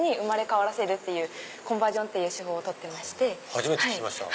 初めて聞きました。